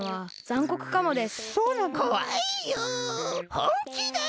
ほんきだよ！